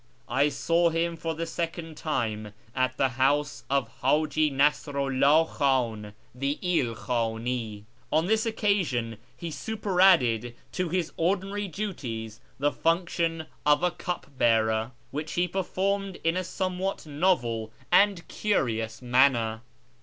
I saw him for the second time at the house of H;iji Nasru 'llah Khan, the Ilkhani. On this occasion he superadded to his ordinary duties the function of cup bearer, which he performed in a somewhat novel and jcurious manner.